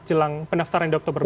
jelang pendaftaran dokter berbeza